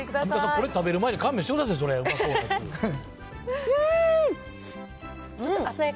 これ食べる前に、勘弁してください。